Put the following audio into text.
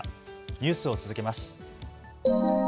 ニュースを続けます。